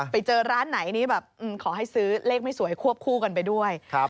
ไปเจอร้านไหนนี่แบบขอให้ซื้อเลขไม่สวยควบคู่กันไปด้วย